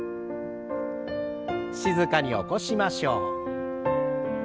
静かに起こしましょう。